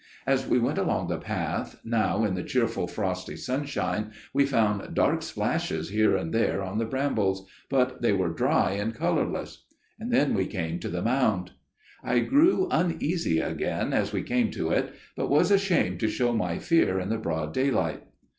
As we went along the path, now in the cheerful frosty sunshine, we found dark splashes here and there on the brambles, but they were dry and colourless. Then we came to the mound. "I grew uneasy again as we came to it, but was ashamed to show my fear in the broad daylight.